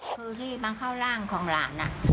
คือที่มาเข้าร่างของหลาน